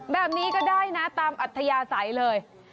แบบนี้ก็ได้นะตามอัธยาศัยเลย